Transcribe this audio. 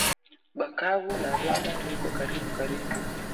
Bukavu na rwanda beko karibu karibu